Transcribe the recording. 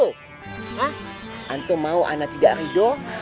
haa antum mau ana tidak hidup